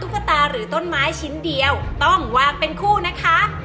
ข้อ๕ห้ามใต้เตียงสกระปกเป็นอันขาด